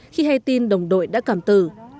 khi hay tin đồng đội đã cảm tử